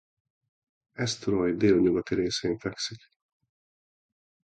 Eysturoy délnyugati részén fekszik.